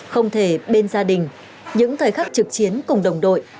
không thể bên gia đình những thời khắc trực chiến cùng đồng đội